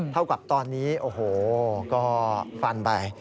เท่ากับตอนนี้ก็ฟันไป